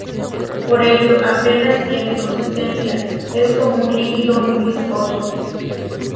Por ello apenas tiene consistencia, es como un líquido muy viscoso.